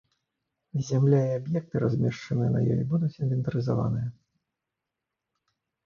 Зямля і аб'екты, размешчаныя на ёй, будуць інвентарызаваныя.